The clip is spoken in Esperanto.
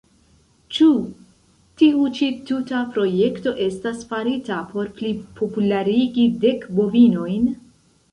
Ĉu tiu ĉi tuta projekto estas farita por plipopularigi Dek Bovinojn?